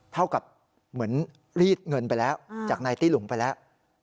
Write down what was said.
เท่ากับเหมือนรีดเงินไปแล้วจากนายตี้หลุงไปแล้ว